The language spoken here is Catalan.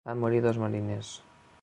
Van morir dos mariners.